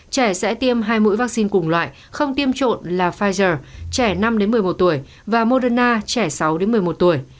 trẻ sẽ tiêm hai mũi vaccine cùng loại không tiêm trộn là pfizer trẻ năm một mươi một tuổi và moderna trẻ sáu một mươi một tuổi